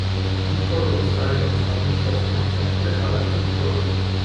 ვიშგოროდის რაიონის ადმინისტრაციული ცენტრია ქალაქი ვიშგოროდი.